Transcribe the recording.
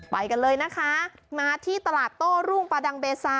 ไปกันเลยนะคะมาที่ตลาดโต้รุ่งประดังเบซา